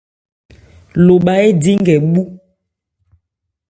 Lobha édi nkɛ bhú.